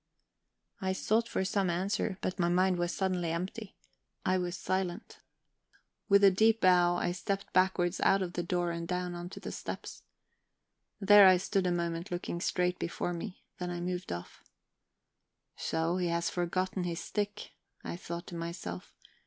I sought for some answer, but my mind was suddenly empty; I was silent. With a deep bow, I stepped backwards out of the door, and down on to the steps. There I stood a moment looking straight before me; then I moved off. "So, he has forgotten his stick," I thought to myself.